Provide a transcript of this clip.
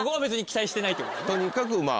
とにかくまぁ。